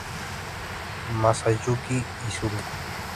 Masayuki Izumi